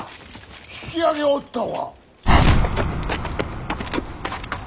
引き揚げおったわ。